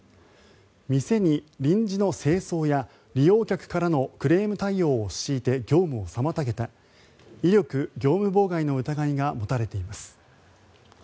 店に臨時の清掃や、利用客からのクレーム対応を強いて業務を妨げた威力業務妨害の疑いが持たれています。